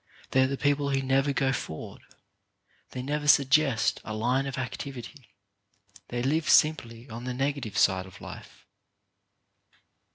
They are the people who never go forward. They never suggest a line of activity. They live simply on the negative side of life.